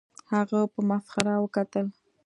هغه په مسخره وکتل